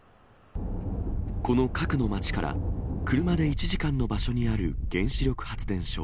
この核の町から車で１時間の場所にある原子力発電所。